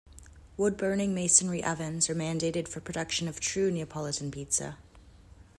Wood-burning masonry ovens are mandated for production of true Neapolitan pizza.